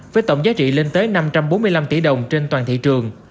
với tổng giá trị lên tới năm trăm bốn mươi năm tỷ đồng trên toàn thị trường